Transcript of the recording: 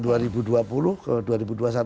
jadi hujur aja